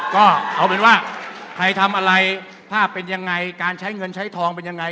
ก็เอาเป็นว่าใครทำอะไรภาพเป็นยังไงการใช้เงินใช้ทองเป็นยังไง